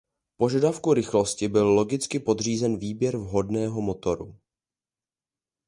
Požadavku rychlosti byl logicky podřízen výběr vhodného motoru.